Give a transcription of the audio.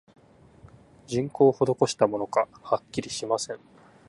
人工をほどこしたものか、はっきりしません